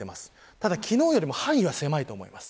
ただ昨日よりも範囲は狭いと思います。